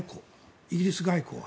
イギリス外交は。